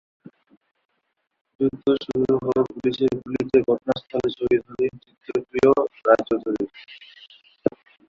যুদ্ধ শুরু হলে পুলিশের গুলিতে ঘটনাস্থলে শহীদ হলেন চিত্তপ্রিয় রায়চৌধুরী।